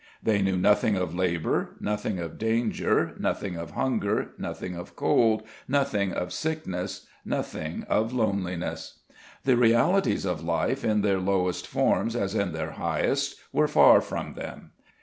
They knew nothing of labour, nothing of danger, nothing of hunger, nothing of cold, nothing of sickness, nothing of loneliness. The realities of life, in their lowest forms as in their highest, were far from them.